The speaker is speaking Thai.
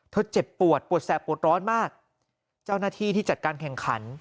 เจ็บปวดปวดแสบปวดร้อนมากเจ้าหน้าที่ที่จัดการแข่งขัน